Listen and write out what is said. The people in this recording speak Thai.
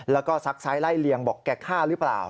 แล้วก็ซักซ้ายไล่เลียงบอกแกฆ่าหรือเปล่า